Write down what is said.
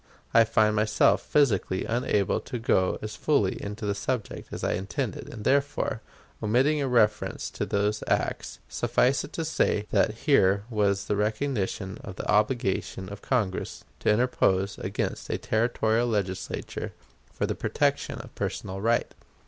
I find myself physically unable to go as fully into the subject as I intended, and therefore, omitting a reference to those acts, suffice it to say that here was the recognition of the obligation of Congress to interpose against a Territorial Legislature for the protection of personal right.